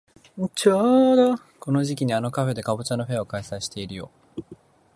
ちょうどこの時期にあのカフェでかぼちゃのフェアを開催してるよ。